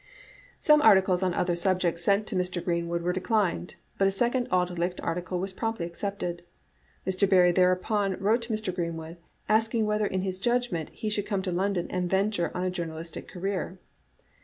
Some articles on other subjects sent to Mr. Green wood were declined, but a second Auld Licht article was promptly accepted. Mr. Barrie thereupon wrote to Mr. Greenwood, asking whether in his judgment he should come to London and venture on a journalistic career.